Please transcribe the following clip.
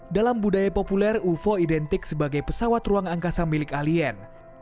dalam budaya populer ufo identik sebagai pesawat ruang angkasa milik alien